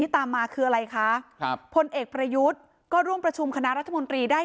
ตามมาคืออะไรคะครับพลเอกประยุทธ์ก็ร่วมประชุมคณะรัฐมนตรีได้